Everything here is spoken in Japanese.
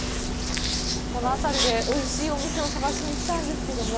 この辺りでおいしいお店を探しに来たんですけども。